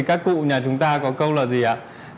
các cụ nhà chúng ta có câu là gì ạ